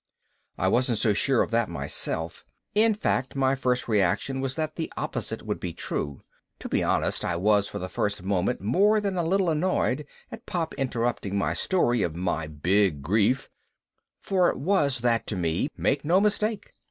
I wasn't so sure of that myself, in fact my first reaction was that the opposite would be true. To be honest I was for the first moment more than a little annoyed at Pop interrupting my story of my Big Grief for it was that to me, make no mistake.